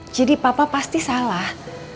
jadi papa pasti salah